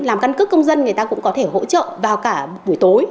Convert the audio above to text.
làm căn cước công dân người ta cũng có thể hỗ trợ vào cả buổi tối